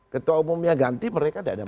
ketua umum yang ganti mereka tidak ada masalah